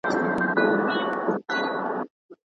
د هغه په کلام کې د حقیقت د لټون تنده لیدل کېږي.